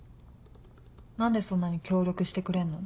何でそんなに協力してくれんの？